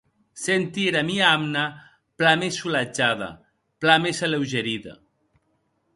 Senti era mia amna plan mès solatjada, plan mès aleugerida.